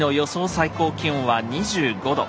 最高気温は２５℃。